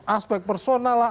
aspek personal lah